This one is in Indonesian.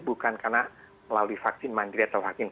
bukan karena melalui vaksin mandiri